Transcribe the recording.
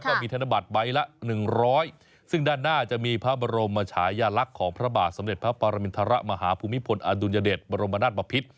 ธนบัตรใบละ๑๐๐ซึ่งด้านหน้าจะมีพระบรมชายาลักษณ์ของพระบาทสมเด็จพระปรมินทรมาฮภูมิพลอดุลยเดชบรมนาศบพิษ